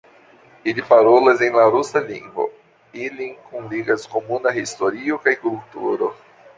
Ili parolas en la rusa lingvo, ilin kunligas komuna historio kaj kulturo.